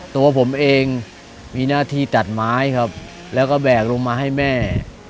ตัวผมเองมีหน้าที่ตัดไม้ครับแล้วก็แบกลงมาให้แม่